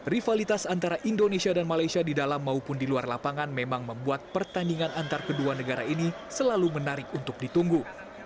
rivalitas antara indonesia dan malaysia di dalam maupun di luar lapangan memang membuat pertandingan antar kedua negara ini selalu menarik untuk ditunggu